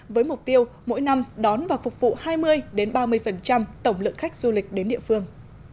với mục tiêu mỗi năm đón và phục vụ hai mươi ba mươi tổng lượng khách du lịch đến địa phương